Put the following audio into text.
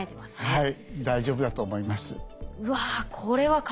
はい。